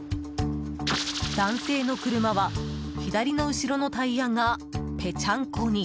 男性の車は、左の後ろのタイヤがぺちゃんこに。